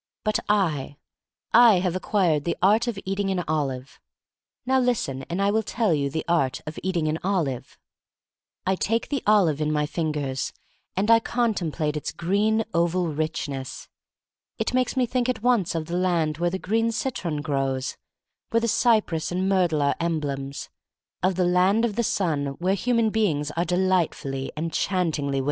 But I — I have acquired the art of eat ing an olive. Now listen, and I will tell you the art of eating an olive: I take the olive in my fingers, and I contemplate its green oval richness. It makes me think at once of the land where the green citron grows — where the cypress and myrtle are emblems; of the land of the Sun where human beings are delightfully, enchantingly.